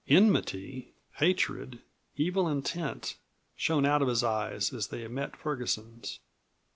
Enmity, hatred, evil intent, shone out of his eyes as they met Ferguson's.